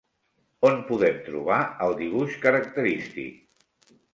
On podem trobar el dibuix característic?